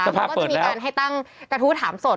สภาเปิดแล้วมันก็จะมีการให้ตั้งกระทู้ถามสด